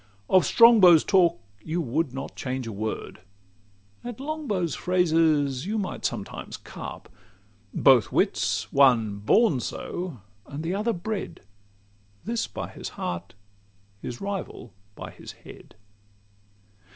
Of Strongbow's talk you would not change a word: At Longbow's phrases you might sometimes carp: Both wits one born so, and the other bred This by his heart, his rival by his head.